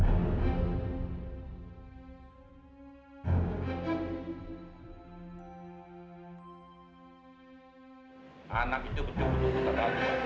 anak itu betul betul berat